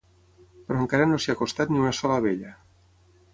Però encara no s'hi ha acostat ni una sola abella.